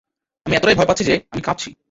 আমি এতটাই ভয় পাচ্ছি যে, আমি কাঁপছি।